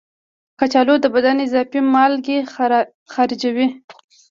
کچالو د بدن اضافي مالګې خارجوي.